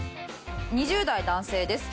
２０代男性です。